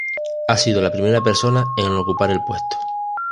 Ha sido la primera persona en ocupar el puesto.